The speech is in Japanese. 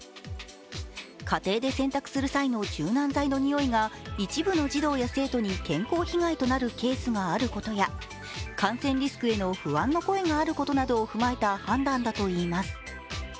家庭で洗濯する際の柔軟剤のにおいが一部の児童生徒に健康被害となるケースがあることや感染リスクへの不安の声があることなどを踏まえた判断だといいます。